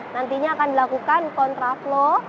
nantinya akan dilakukan kontra flow